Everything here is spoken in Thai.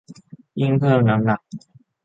ยิ่งเพิ่มน้ำหนัก